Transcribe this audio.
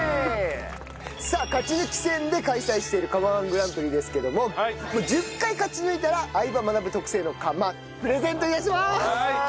さあ勝ち抜き戦で開催している釜−１グランプリですけども１０回勝ち抜いたら『相葉マナブ』特製の釜プレゼント致します！